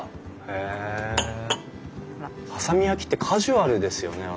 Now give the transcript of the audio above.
波佐見焼ってカジュアルですよね。